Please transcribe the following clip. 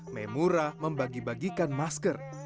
memura membagi bagikan masker